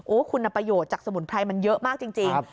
คุณประโยชน์จากสมุนไพรมันเยอะมากจริง